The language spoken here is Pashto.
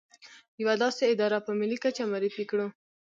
يوه داسې اداره په ملي کچه معرفي کړو.